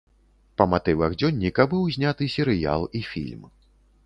Па матывах дзённіка быў зняты серыял і фільм.